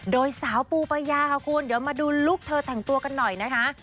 โดยสาวปูปายาค่ะคุณเดี๋ยวมาดูลูกเธอแต่งตัวกันหน่อยนะคะ